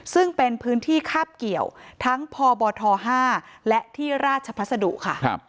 ซึ่งเป็นพื้นที่คาบเกี่ยวทั้งพบท๕และที่ราชพัสดุค่ะ